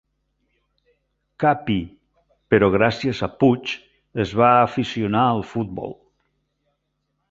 Capi—, però gràcies a Puig es va aficionar al futbol.